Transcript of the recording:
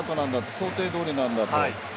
想定どおりなんだと。